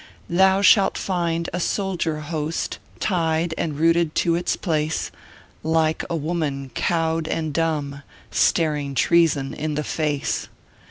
Thou shalt find a soldier host Tied and rooted to its place, Like a woman cowed and dumb, Staring Treason in the face.